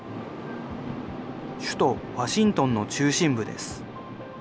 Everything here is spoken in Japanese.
首都ワシントンの中心部です。